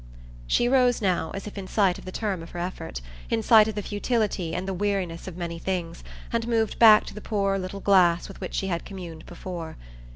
She rose now, as if in sight of the term of her effort, in sight of the futility and the weariness of many things, and moved back to the poor little glass with which she had communed before.